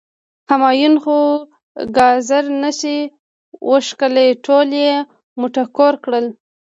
همایون خو ګازر نه شي وښکلی، ټول یی مټکور کړل.